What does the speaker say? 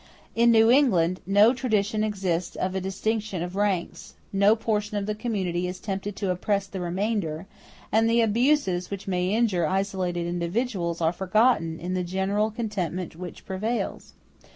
In New England no tradition exists of a distinction of ranks; no portion of the community is tempted to oppress the remainder; and the abuses which may injure isolated individuals are forgotten in the general contentment which prevails.